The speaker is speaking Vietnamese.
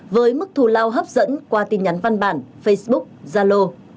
với mức thù lao hấp dẫn qua tin nhắn văn bản facebook zalo